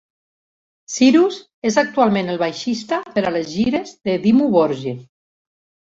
Cyrus és actualment el baixista per a les gires de Dimmu Borgir.